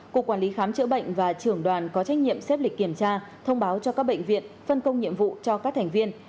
cục quản lý khám chữa bệnh và trưởng đoàn có trách nhiệm xếp lịch kiểm tra thông báo cho các bệnh viện phân công nhiệm vụ cho các thành viên